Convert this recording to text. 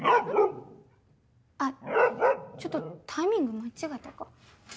あっちょっとタイミング間違えたか？